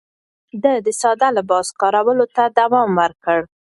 ده د ساده لباس کارولو ته دوام ورکړ.